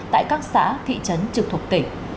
tại các xã thị trấn trực thuộc tỉnh